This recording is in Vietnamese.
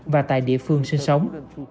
và tại địa phương sinh sống